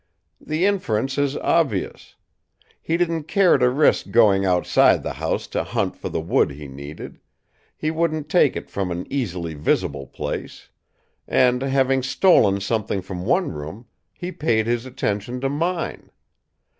The inference is obvious: he didn't care to risk going outside the house to hunt for the wood he needed; he wouldn't take it from an easily visible place; and, having stolen something from one room, he paid his attention to mine.